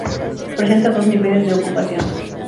Presenta dos niveles de ocupación.